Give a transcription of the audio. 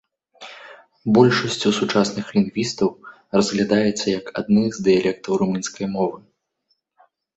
Большасцю сучасных лінгвістаў разглядаецца як адны з дыялектаў румынскай мовы.